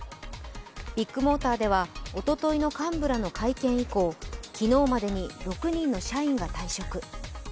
ビッグモーターではおとといの幹部らの会見以降、昨日までに６人の社員が退職。